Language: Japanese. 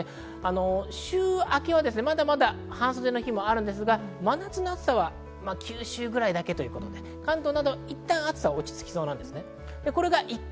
週明けはまだまだ半袖の日もありますが、真夏の暑さは九州ぐらいだけで関東などは一旦、暑さは落ち着きそうです。